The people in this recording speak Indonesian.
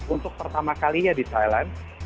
untuk pertama kalinya di thailand